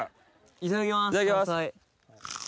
いただきます。